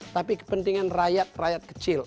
tapi kepentingan rakyat rakyat kecil